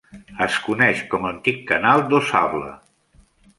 Es coneix com a Antic canal d'Ausable.